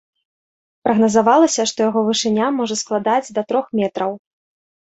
Прагназавалася, што яго вышыня можа складаць да трох метраў.